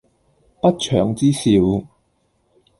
不祥之兆